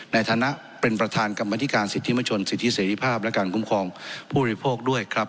ในฐานะเป็นประธานกรรมธิการสิทธิมชนสิทธิเสรีภาพและการคุ้มครองผู้บริโภคด้วยครับ